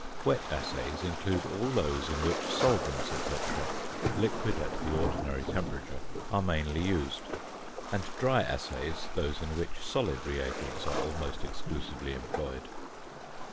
Wet assays include all those in which solvents, &c. (liquid at the ordinary temperature), are mainly used; and dry assays, those in which solid re agents are almost exclusively employed.